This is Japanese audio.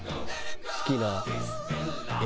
好きな絵。